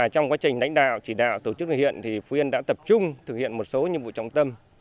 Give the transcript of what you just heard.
trong quá trình đánh đạo chỉ đạo tổ chức thực hiện thì huyện đã tập trung thực hiện một số nhiệm vụ trọng tâm